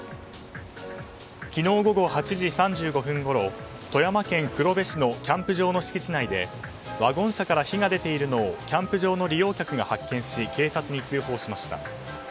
昨日午後８時３５分ごろ富山県黒部市のキャンプ場の敷地内でワゴン車から火が出ているのをキャンプ場の利用客が発見し警察に通報しました。